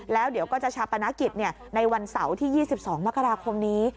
แล้วเดี๋ยวก็จะชาปนกิจในวันเสาร์ที่๒๒มกราคมนี้